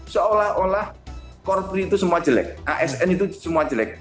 seolah olah corpri itu semua jelek asn itu semua jelek